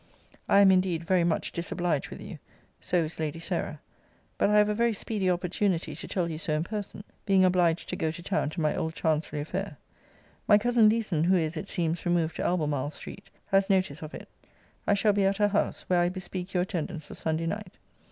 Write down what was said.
I am, indeed, very much disobliged with you: so is Lady Sarah. But I have a very speedy opportunity to tell you so in person; being obliged to go to town to my old chancery affair. My cousin Leeson, who is, it seems, removed to Albemarle street, has notice of it. I shall be at her house, where I bespeak your attendance of Sunday night.